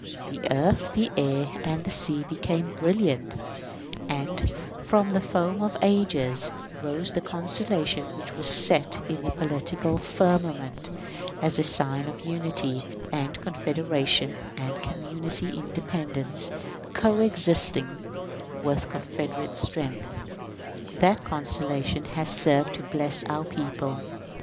The earth, the air, and the sea became brilliant; and from the foam of ages rose the constellation which was set in the political firmament, as a sign of unity and confederation and community independence, coexistent with confederate strength. That constellation has served to bless our people.